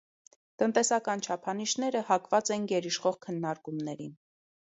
Տնտեսական չափանիշները հակված են գերիշխող քննարկումներին։